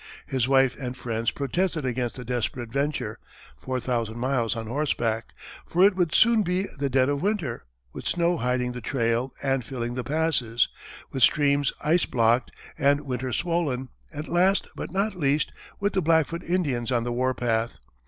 His wife and friends protested against the desperate venture four thousand miles on horseback for it would soon be the dead of winter, with snow hiding the trail and filling the passes, with streams ice blocked and winter swollen, and last but not least, with the Blackfoot Indians on the warpath.